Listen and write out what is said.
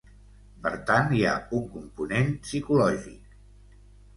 Per tant, hi ha un component psicològic.